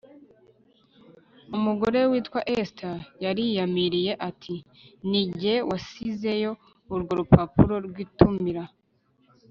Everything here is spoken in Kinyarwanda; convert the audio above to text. umugore we witwa ester yariyamiriye ati “ni jye wasizeyo urwo rupapuro rw'itumira